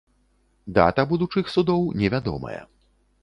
Дата будучых судоў невядомая.